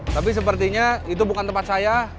tapi sepertinya itu bukan tempat saya